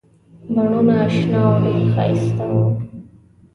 بڼونه شنه او ډېر ښایسته وو.